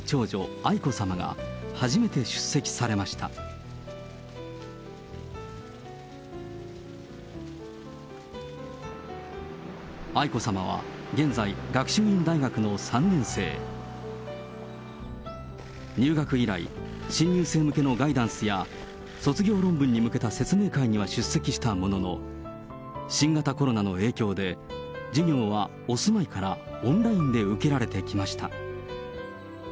愛子さまは、現在、学習院大学の３年生。入学以来、新入生向けのガイダンスや卒業論文に向けた説明会には出席したものの、新型コロナの影響で、授業はお住まいからオンラインで受けられてきました。